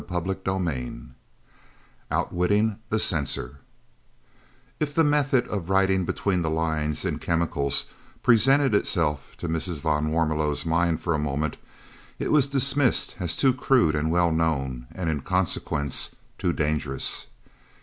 CHAPTER VIII OUTWITTING THE CENSOR If the method of writing between the lines in chemicals presented itself to Mrs. van Warmelo's mind for a moment, it was dismissed as too crude and well known, and, in consequence, too dangerous.